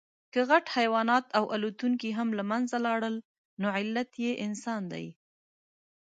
که غټ حیوانات او الوتونکي هم له منځه لاړل، نو علت انسان دی.